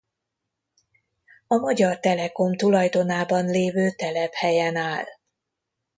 A Magyar Telekom tulajdonában lévő telephelyen áll.